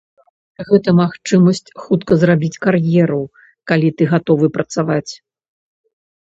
Гэта магчымасць хутка зрабіць кар'еру, калі ты гатовы працаваць.